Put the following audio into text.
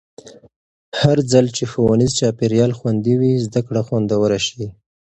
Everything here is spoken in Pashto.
هرځل چې ښوونیز چاپېریال خوندي وي، زده کړه خوندوره شي.